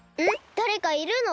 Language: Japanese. だれかいるの！？